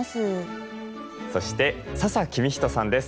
そして笹公人さんです。